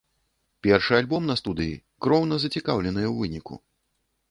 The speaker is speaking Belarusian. Першы альбом на студыі, кроўна зацікаўленыя ў выніку.